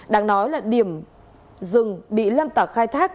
đáng nói là điểm rừng bị lâm tạc khai thác